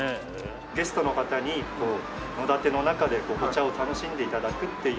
ゲストの方に野だての中でお茶を楽しんで頂くっていう。